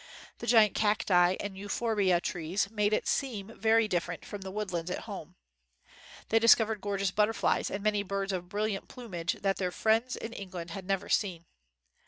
The giant cacti and eu phorbia trees made it seem very different from the woodlands at home. They discov ered gorgeous butterflies and many birds of brilliant plumage that their friends in Eng 39 WHITE MAN OF WORK land had never seen.